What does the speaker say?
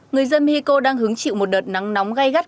người dân mexico đang hứng chịu một đợt nắng nóng gai gắt